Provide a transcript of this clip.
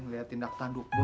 ngelihat tindak tanduk bos